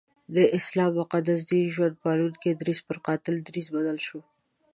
د اسلام مقدس دین ژوند پالونکی درځ پر قاتل دریځ بدل شو.